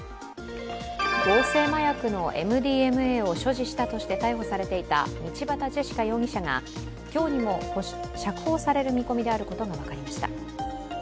合成麻薬のＭＤＭＡを所持したとして逮捕されていた道端ジェシカ容疑者が今日にも釈放される見込みであることが分かりました。